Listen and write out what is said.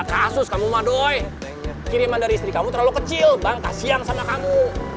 kasus kamu madoy kiriman dari istri kamu terlalu kecil bang kasian sama kamu